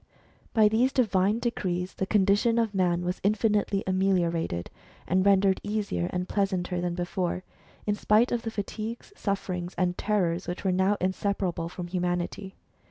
By these divine decrees the condition of man w^as infinitely ameliorated, and rendered easier and pleasanter than before; in spite of the fatigues, sufferings, and terrors which were now inseparable from humanity.